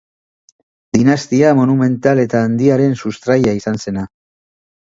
Dinastia monumental eta handiaren sustraia izan zena.